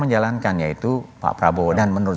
menjalankan yaitu pak prabowo dan menurut